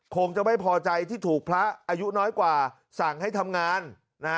คงจะไม่พอใจที่ถูกพระอายุน้อยกว่าสั่งให้ทำงานนะฮะ